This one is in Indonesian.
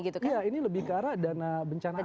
gitu kan iya ini lebih ke arah dana bencana